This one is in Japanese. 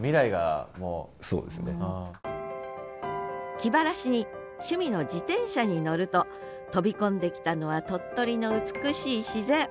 気晴らしに趣味の自転車に乗ると飛び込んできたのは鳥取の美しい自然。